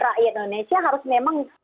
rakyat indonesia harus memang